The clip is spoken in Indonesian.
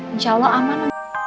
insya allah aman